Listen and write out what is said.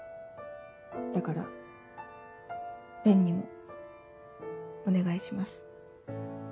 だから蓮にもお願いします。